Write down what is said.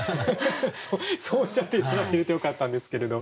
そうおっしゃって頂けるとよかったんですけれど。